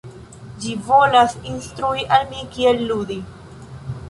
Ĝi volas instrui al mi kiel ludi